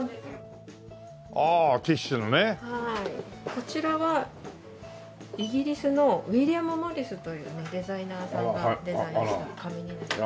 こちらはイギリスのウィリアム・モリスというデザイナーさんがデザインした紙になります。